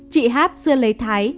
chị hát xưa lấy thái